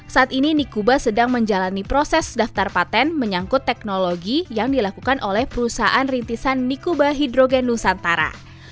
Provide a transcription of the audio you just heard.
saat ini nikuba sedang menjalani proses daftar patent menyangkut teknologi yang dilakukan oleh perusahaan rintisan nikuba hidrogen nusantara